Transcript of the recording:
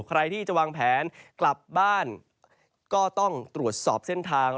ใครที่จะวางแผนกลับบ้านก็ต้องตรวจสอบเส้นทาง